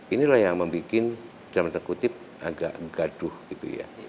inilah yang membuat dalam tanda kutip agak gaduh gitu ya